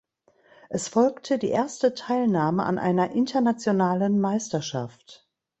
Es folgte die erste Teilnahme an einer internationalen Meisterschaft.